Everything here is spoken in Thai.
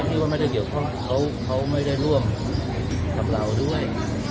ที่ว่าไม่ได้เกี่ยวข้องเขาไม่ได้ร่วมกับเราด้วย